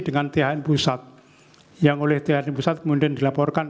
dan di trois titik lima belas